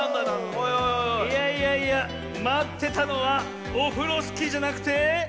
いやいやいやまってたのはオフロスキーじゃなくて。